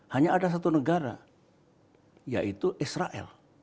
hanya ada satu negara yaitu israel